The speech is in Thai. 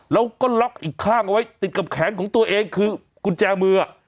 แล้วก็ล็อกอีกข้างเอาไว้ติดกับแขนของตัวเองคือกุญแจมือ